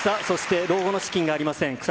そして、老後の資金がありません！